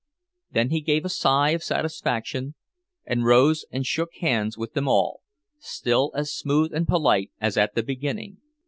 Then he gave a sigh of satisfaction, and rose and shook hands with them all, still as smooth and polite as at the beginning.